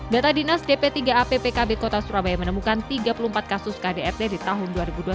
data dinas dp tiga ap pkb kota surabaya menemukan tiga puluh empat kasus kdrt di tahun dua ribu dua puluh satu